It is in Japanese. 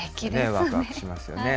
わくわくしますよね。